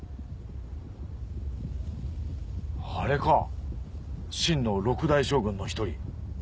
あれか秦の六大将軍の１人。